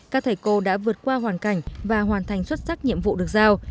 các thầy cô đã vượt qua hoàn cảnh và hoàn thành xuất sắc nhiệm vụ được giao